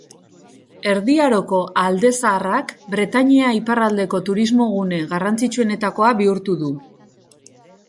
Erdi Aroko alde zaharrak Bretainia iparraldeko turismogune garrantzitsuenetakoa bihurtu du.